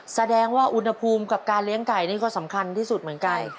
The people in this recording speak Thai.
แสดงว่าอุณหภูมิกับการเลี้ยงไก่นี่ก็สำคัญที่สุดเหมือนกัน